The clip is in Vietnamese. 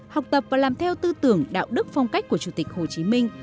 học tập và làm theo tư tưởng đạo đức phong cách của chủ tịch hồ chí minh